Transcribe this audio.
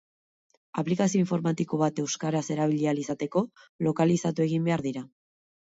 Aplikazio informatiko bat euskaraz erabili ahal izateko, lokalizatu egin behar dira.